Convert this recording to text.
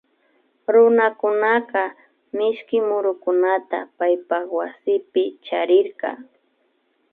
Runakunaka mishki murukunata paykunapak waspi charirka